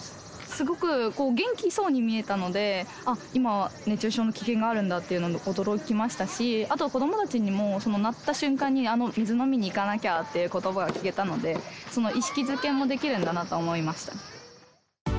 すごく元気そうに見えたので、あっ、今、熱中症の危険があるんだっていうのに驚きましたし、あと、子どもたちにも、そのなった瞬間に水飲みに行かなきゃってことばも聞けたので、その意識づけもできるんだなと思いました。